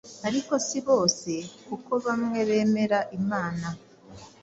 Ariko si bose kuko bamwe bemera imana